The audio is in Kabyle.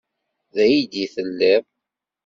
D aydi i telliḍ.